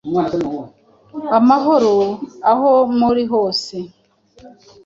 amahoro aho muri hose!